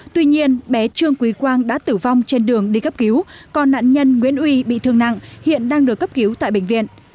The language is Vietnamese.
tuy nhiên bé trương quý quang đã tử vong trên đường đi cấp cứu còn nạn nhân nguyễn uy bị thương nặng hiện đang được cấp cứu tại bệnh viện